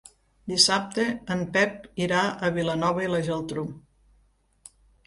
Dissabte en Pep irà a Vilanova i la Geltrú.